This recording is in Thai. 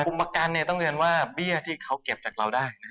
ประกันต้องเรียนว่าเบี้ยที่เขาเก็บจากเราได้